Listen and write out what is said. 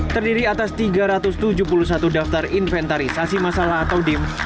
terdiri atas tiga ratus tujuh puluh satu daftar inventarisasi masalah atau dim